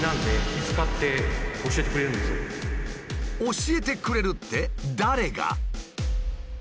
「教えてくれる」って誰が？